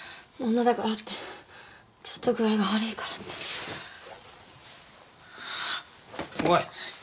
女だからってちょっと具合が悪いからって。